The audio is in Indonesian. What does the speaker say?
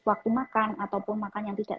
waktu makan ataupun makan yang tidak